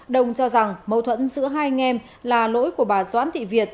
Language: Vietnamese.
đồng cho rằng mâu thuẫn giữa hai anh em là lỗi của bà doãn thị việt